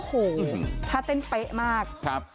แล้วถ้าเต้นแป๊บมาก